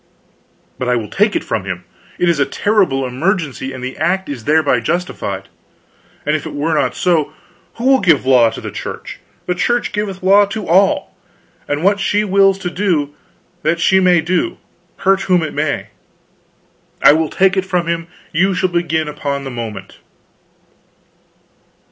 "But I will take it from him; it is a terrible emergency and the act is thereby justified. And if it were not so, who will give law to the Church? The Church giveth law to all; and what she wills to do, that she may do, hurt whom it may. I will take it from him; you shall begin upon the moment."